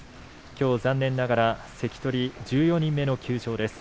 きょう、残念ながら関取１４人目の休場です。